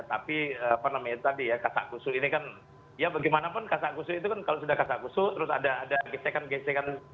tapi apa namanya tadi ya kasakusunya ini kan ya bagaimanapun kasakusunya itu kan kalau sudah kasakusunya terus ada gesekan gesekan